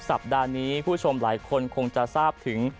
สัปดาห์นี้ผู้ชมหลายคนคงจะทราบถึง